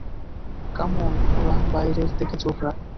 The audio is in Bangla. কাম অন, নোরাহ বাইরের দিকে চোখ রাখ।